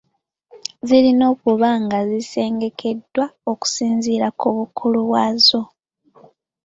Zirina okuba nga zisengekeddwa okusinziira ku bukulu bwazo.